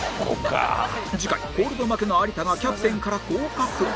次回コールド負けの有田がキャプテンから降格